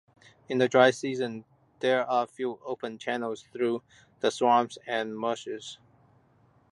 In the dry season there are few open channels through the swamps and marshes.